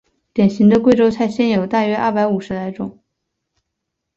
典型的贵州菜现有大约有二百五十来种。